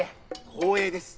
光栄です。